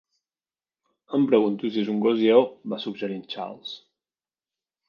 Em pregunto si és un gos lleó, va suggerir en Charles.